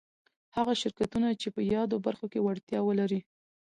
هغه شرکتونه چي په يادو برخو کي وړتيا ولري